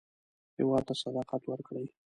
هېواد ته صداقت ورکړئ